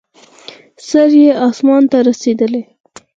سر یې اسمان ته رسېدلی.